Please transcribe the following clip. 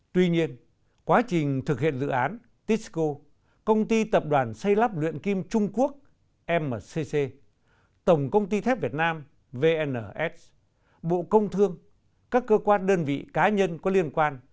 tuy nhiên quá trình thực hiện dự án tisco công ty tập đoàn xây lắp luyện kim trung quốc mcc tổng công ty thép việt nam vns bộ công thương các cơ quan đơn vị cá nhân có liên quan